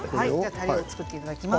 たれを作っていただきます。